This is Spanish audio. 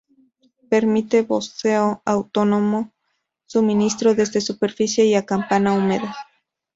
Permite buceo autónomo, suministro desde superficie y campana húmeda.